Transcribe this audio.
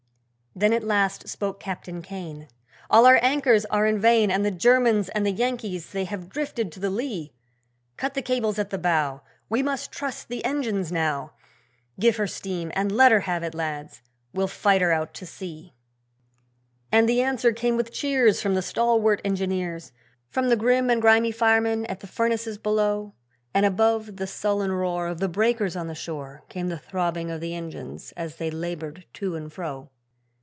Then at last spoke Captain Kane, 'All our anchors are in vain, And the Germans and the Yankees they have drifted to the lee! Cut the cables at the bow! We must trust the engines now! Give her steam, and let her have it, lads, we'll fight her out to sea!' And the answer came with cheers From the stalwart engineers, From the grim and grimy firemen at the furnaces below; And above the sullen roar Of the breakers on the shore Came the throbbing of the engines as they laboured to and fro.